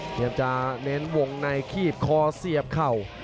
พยายามจะเน้นวงในขีบคอเสียบเข่า